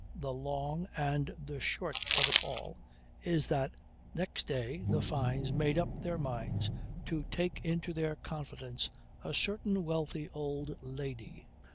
The long and the short of it all is that next day the Fynes made up their minds to take into their confidence a certain wealthy old lady.